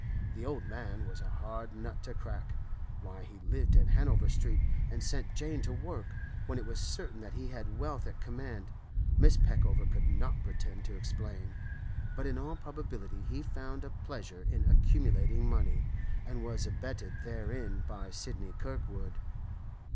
The old man was a hard nut to crack; why he lived in Hanover Street, and sent Jane to work, when it was certain that he had wealth at command, Mrs. Peckover could not pretend to explain, but in all probability he found a pleasure in accumulating money, and was abetted therein by Sidney Kirkwood.